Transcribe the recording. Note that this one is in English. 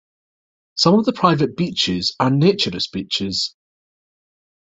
Some of the private beaches are naturist beaches.